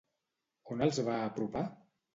On els va apropar?